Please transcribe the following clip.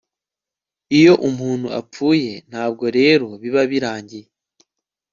iyo umuntu apfuye, ntabwo rero biba birangiye